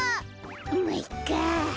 まいっか！